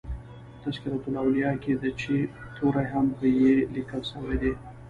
" تذکرةالاولیاء" کښي د "چي" توری هم په "ي" لیکل سوی دئ.